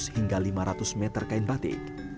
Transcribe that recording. hingga lima ratus meter kain batik